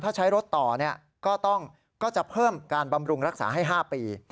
ถ้าใช้รถต่อก็จะเพิ่มการบำรุงรักษาให้๕ปี